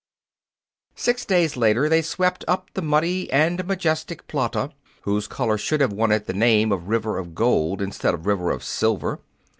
Six days later they swept up the muddy and majestic Plata, whose color should have won it the name of River of Gold instead of River of Silver.